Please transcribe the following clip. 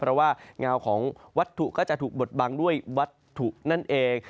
เพราะว่าเงาของวัตถุก็จะถูกบดบังด้วยวัตถุนั่นเอง